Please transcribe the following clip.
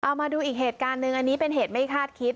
เอามาดูอีกเหตุการณ์หนึ่งอันนี้เป็นเหตุไม่คาดคิด